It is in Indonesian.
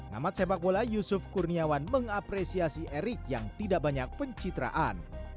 ngamat sepak bola yusuf kurniawan mengapresiasi erik yang tidak banyak pencitraan